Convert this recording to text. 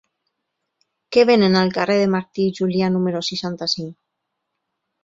Què venen al carrer de Martí i Julià número seixanta-cinc?